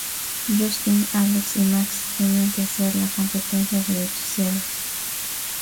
Justin, Alex, y Max tienen que hacer la competencia de Hechiceros.